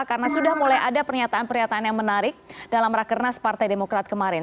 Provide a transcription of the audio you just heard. karena sudah mulai ada pernyataan pernyataan yang menarik dalam rakernas partai demokrat kemarin